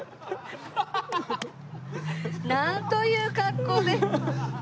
なんという格好で。